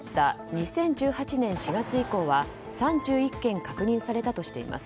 ２０１８年４月以降は３１件確認されたとしています。